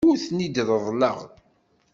Ur ten-id-reḍḍleɣ.